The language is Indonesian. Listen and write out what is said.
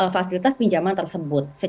fasilitas pinjaman tersebut